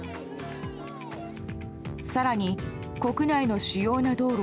更に、国内の主要な道路